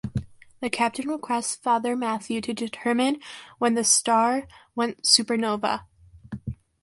The captain requests Father Matthew to determine when the star went supernova.